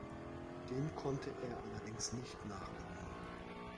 Dem konnte er allerdings nicht nachkommen.